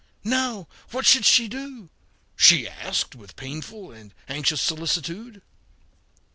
"Now, what should she do?" she asked with painful and anxious solicitude.